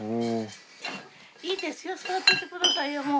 いいですよ座っててくださいよ。